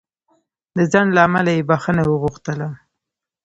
د ځنډ له امله یې بخښنه وغوښتله.